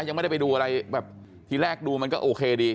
ยังไม่ได้ไปดูอะไรแบบทีแรกดูมันก็โอเคดี